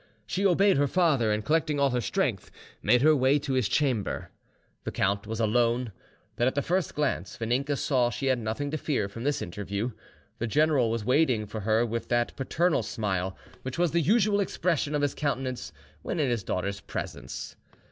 She obeyed her father, and collecting all her strength, made her way to his chamber, The count was alone, but at the first glance Vaninka saw she had nothing to fear from this interview: the general was waiting for her with that paternal smile which was the usual expression of his countenance when in his daughter's presence.